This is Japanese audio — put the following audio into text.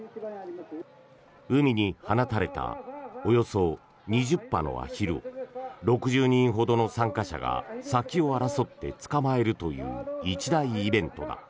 海に放たれたおよそ２０羽のアヒルを６０人ほどの参加者が先を争って捕まえるという一大イベントだ。